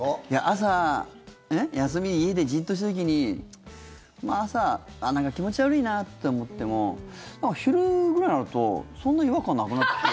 朝、休み家でジッとしてる時に朝、気持ち悪いなって思っても昼ぐらいになるとそんなに違和感なくなって。